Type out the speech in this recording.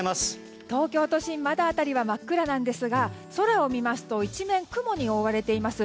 東京都心まだ辺りは真っ暗なんですが空を見ますと一面、雲に覆われています。